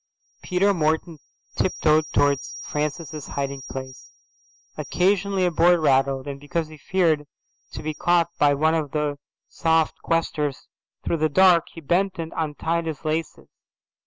Peter Morton tiptoed towards Francis's hiding place. Occasionally a board rattled, and because he feared to be caught by one of the soft questers through the dark, he bent and untied his laces.